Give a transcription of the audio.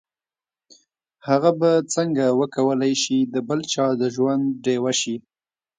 هغه به څنګه وکولای شي د بل چا د ژوند ډيوه شي.